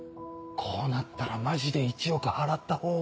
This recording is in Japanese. こうなったらマジで１億払った方が。